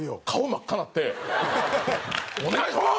真っ赤になってお願いします！